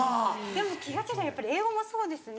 でも気が付いたらやっぱり英語もそうですね。